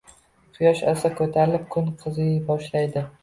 Quyosh asta koʻtarilib, kun qiziy boshlaydi.